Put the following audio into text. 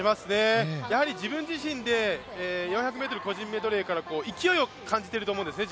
自分自身で４００ｍ個人メドレーから勢いを感じていると思うんですね